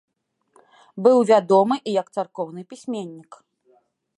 Быў вядомы і як царкоўны пісьменнік.